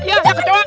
iya ada kecoa